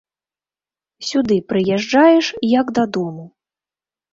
Сюды прыязджаеш як дадому.